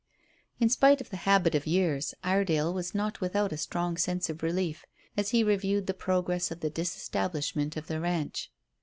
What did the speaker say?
In spite of the habit of years, Iredale was not without a strong sense of relief as he reviewed the progress of the disestablishment of the ranch.